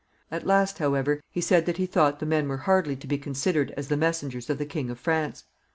At last, however, he said that he thought the men were hardly to be considered as the messengers of the King of France.